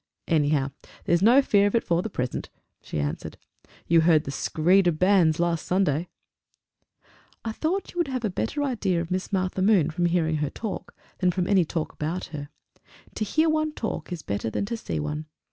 "Anyhow there's no fear of it for the present!" she answered. "You heard the screed of banns last Sunday!" I thought you would have a better idea of Miss Martha Moon from hearing her talk, than from any talk about her. To hear one talk is better than to see one.